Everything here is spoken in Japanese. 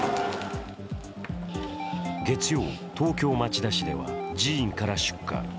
月曜、東京・町田市では寺院から出火。